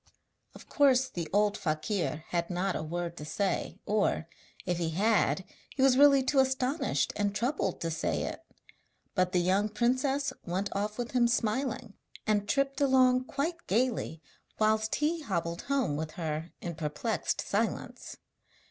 Of course the old fakir had not a word to say, or, if he had, he was really too astonished and troubled to say it; but the young princess went off with him smiling, and tripped along quite gaily, whilst he hobbled home with her in perplexed silence.